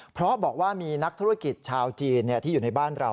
เพราะบอกว่ามีนักธุรกิจชาวจีนที่อยู่ในบ้านเรา